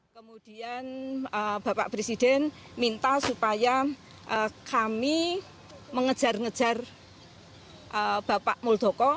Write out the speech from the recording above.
kemudian bapak presiden minta supaya kami mengejar ngejar bapak muldoko